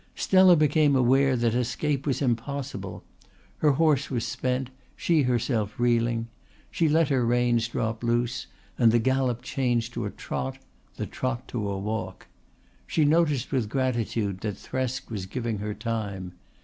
Stella became aware that escape was impossible. Her horse was spent, she herself reeling. She let her reins drop loose and the gallop changed to a trot, the trot to a walk. She noticed with gratitude that Thresk was giving her time.